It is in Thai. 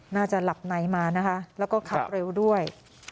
น่าจะหลับในมานะคะแล้วก็ขับเร็วด้วย